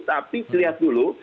tapi lihat dulu